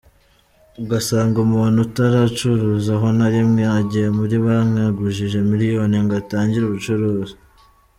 Ugasanga umuntu utaracuruzaho na rimwe agiye muri banki agujije miliyoni ngo atangire ubucuruzi.